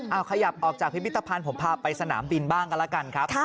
เอาขยับออกจากพิพิธภัณฑ์ผมพาไปสนามบินบ้างกันแล้วกันครับ